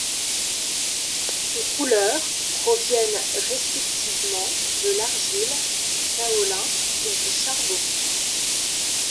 Ces couleurs proviennent respectivement de l'argile, du kaolin et du charbon.